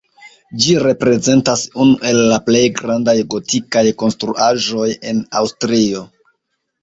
Ĝi reprezentas unu el la plej grandaj gotikaj konstruaĵoj en Aŭstrio.